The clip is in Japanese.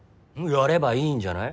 やればいいんじゃない？